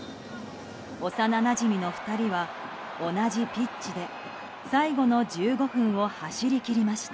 幼なじみの２人は同じピッチで最後の１５分を走り切りました。